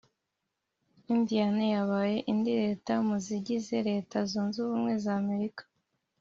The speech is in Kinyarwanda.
Indiana yabaye indi leta mu zigize leta zunze ubumwe za Amerika